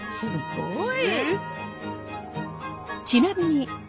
すごい。